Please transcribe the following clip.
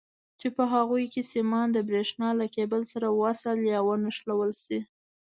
چې په هغو کې سیمان د برېښنا له کیبل سره وصل یا ونښلول شي.